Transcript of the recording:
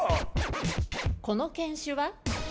この犬種は？